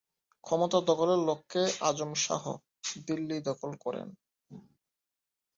ক্ষমতা দখলের লক্ষ্যে আজম শাহ দিল্লি দখল করেন।